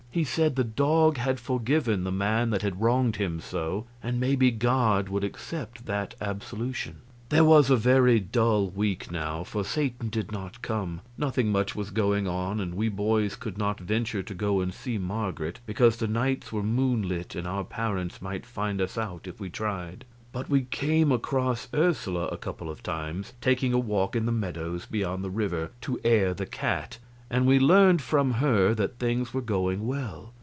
He said the dog had forgiven the man that had wronged him so, and maybe God would accept that absolution. There was a very dull week, now, for Satan did not come, nothing much was going on, and we boys could not venture to go and see Marget, because the nights were moonlit and our parents might find us out if we tried. But we came across Ursula a couple of times taking a walk in the meadows beyond the river to air the cat, and we learned from her that things were going well.